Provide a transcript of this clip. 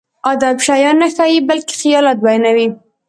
ادب شيان نه ښيي، بلکې خيالات بيانوي.